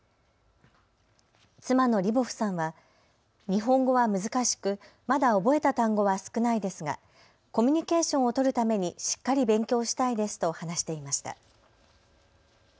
妻のリボフさんは日本語は難しく、まだ覚えた単語は少ないですがコミュニケーションを取るためにしっかり勉強したいですと話していました。